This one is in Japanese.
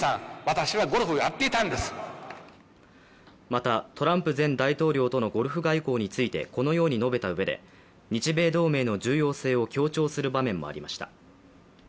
また、トランプ前大統領とのゴルフ外交についてこのように述べたうえで、日米同盟の重要性を強調する場面もありました。